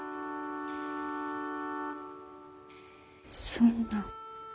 そんな。